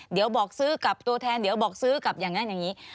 เดี๋ยวบอกซื้อกับตัวแทนเดี๋ยวบอกซื้อกลับอย่างนั้นอย่างนี้